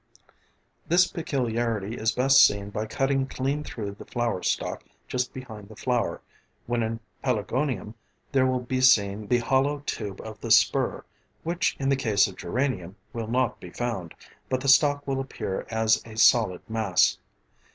This peculiarity is best seen by cutting clean through the flower stalk just behind the flower, when in Pelargonium there will be seen the hollow tube of the spur, which in the case of Geranium will not be found, but the stalk will appear as a solid mass.